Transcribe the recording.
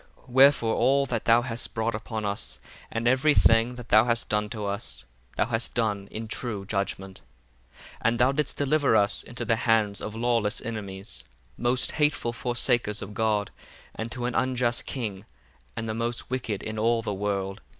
8 Wherefore all that thou hast brought upon us, and every thing that thou hast done to us, thou hast done in true judgment. 9 And thou didst deliver us into the hands of lawless enemies, most hateful forsakers of God, and to an unjust king, and the most wicked in all the world.